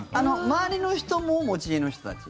周りの人も持ち家の人たち？